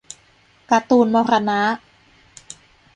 การ์ตูนมรณะ